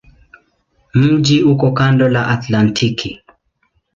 Mji uko kando la Atlantiki.